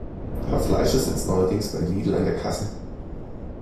Herr Fleischer sitzt neuerdings bei Lidl an der Kasse.